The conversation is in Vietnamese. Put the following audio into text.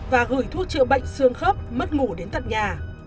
và gửi thuốc chữa bệnh xương khớp mất ngủ đến tận nhà